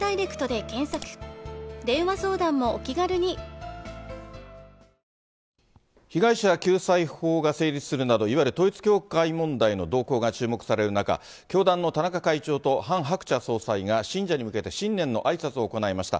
われわれがぶれない、いわゆる統一教会問題の動向が注目される中、教団の田中会長と、ハン・ハクチャ総裁が、信者に向けて新年のあいさつを行いました。